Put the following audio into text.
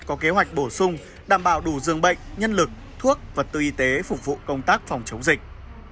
có kế hoạch bổ sung đảm bảo đủ dương bệnh nhân lực thuốc vật tư y tế phục vụ công tác phòng chống dịch